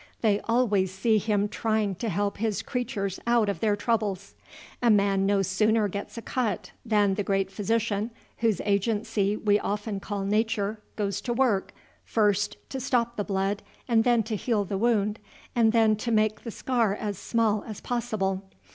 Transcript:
They always see him trying to help his creatures out of their troubles. A man no sooner gets a cut, than the Great Physician, whose agency we often call Nature, goes to work, first to stop the blood, and then to heal the wound, and then to make the scar as small as possible.